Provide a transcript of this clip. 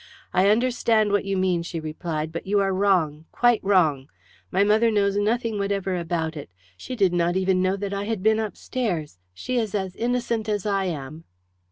"I understand what you mean," she replied, "but you are wrong quite wrong. My mother knows nothing whatever about it. She did not even know that I had been upstairs. She is as innocent as I am."